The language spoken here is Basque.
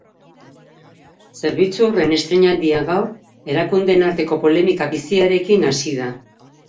Zerbitzu horren estreinaldia, gaur, erakundeen arteko polemika biziarekin hasi da.